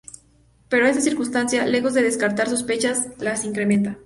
Pero esta circunstancia, lejos de descartar sospechas las incrementa.